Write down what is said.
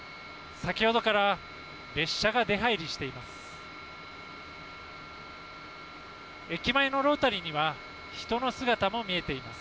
先ほどから列車が出はいりしています。